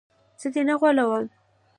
زه دې نه غولوم.